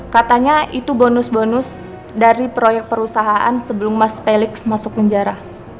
katanya itu bonus bonus dari proyek perusahaan sebelum mas peliks masuk penjara